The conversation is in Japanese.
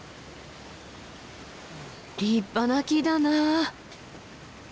立派な木だなあ。